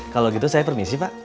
kalau gitu saya permisi pak